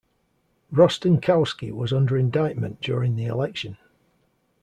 Rostenkowski was under indictment during the election.